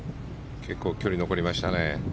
結構距離残りましたね。